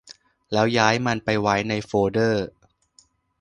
แล้วย้ายมันไปไว้ในโฟลเดอร์